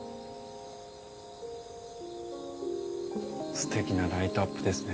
すてきなライトアップですね。